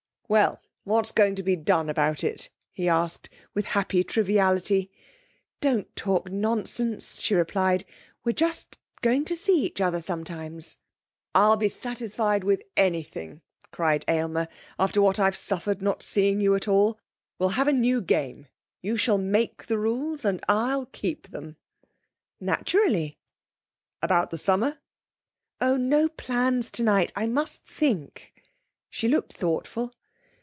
'Well, what's going to be done about it?' he asked, with happy triviality. 'Don't talk nonsense,' she replied. 'We're just going to see each other sometimes.' 'I'll be satisfied with anything!' cried Aylmer, 'after what I've suffered not seeing you at all. We'll have a new game. You shall make the rules and I'll keep them.' 'Naturally.' 'About the summer?' 'Oh, no plans tonight. I must think.' She looked thoughtful.